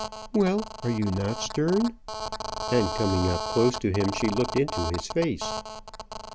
"Well, are you not stern?" And coming up close to him, she looked into his face.